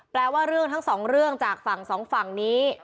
ว่าเรื่องทั้งสองเรื่องจากฝั่งสองฝั่งนี้